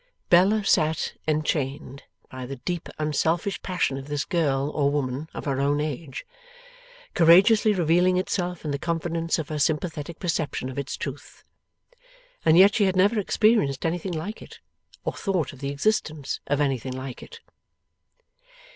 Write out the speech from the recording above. Bella sat enchained by the deep, unselfish passion of this girl or woman of her own age, courageously revealing itself in the confidence of her sympathetic perception of its truth. And yet she had never experienced anything like it, or thought of the existence of anything like it.